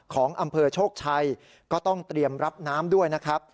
ของอำเภอโชคชัยก็ต้องเตรียมรับน้ำด้วยนะครับ